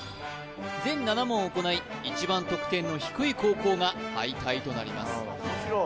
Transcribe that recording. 全７問行い一番得点の低い高校が敗退となります